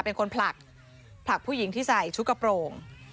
เป็นคนผลักผลักผู้หญิงที่ใส่ชุดกระโปรง